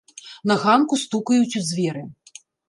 На ганку стукаюць у дзверы.